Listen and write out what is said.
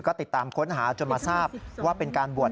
ก็ติดตามค้นหาจนมาทราบว่าเป็นการบวช